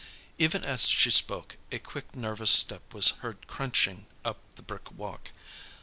Even as she spoke a quick nervous step was heard crunching up the brick walk.